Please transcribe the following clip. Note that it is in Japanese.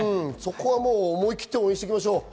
思い切って応援していきましょう。